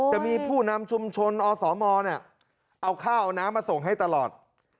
จะมีผู้นำชุมชนอสมเอาข้าวเอาน้ำมาส่งให้ตลอด